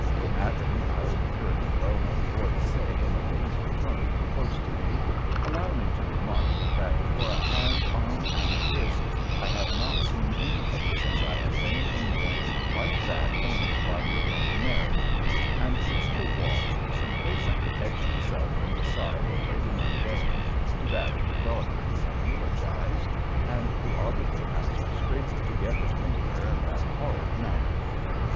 "Madam," I overheard a well known voice say in a nasal tone close to me, "allow me to remark, that for a hand, arm, and wrist, I have not seen anything since I have been in England like that owned by your daughter Mary;" and Mr Wog complacently edged himself from the side of Lady Mundane to that of the daughter he had eulogised, and who audibly asked Scraper to get between her and that horrid man.